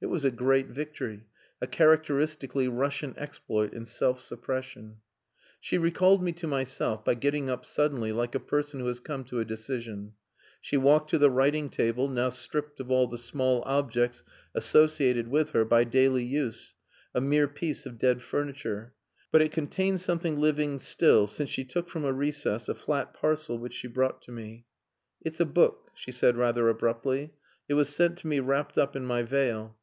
It was a great victory, a characteristically Russian exploit in self suppression. She recalled me to myself by getting up suddenly like a person who has come to a decision. She walked to the writing table, now stripped of all the small objects associated with her by daily use a mere piece of dead furniture; but it contained something living, still, since she took from a recess a flat parcel which she brought to me. "It's a book," she said rather abruptly. "It was sent to me wrapped up in my veil.